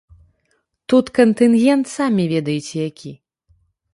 Тут кантынгент самі ведаеце, які.